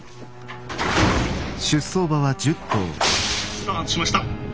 スタートしました。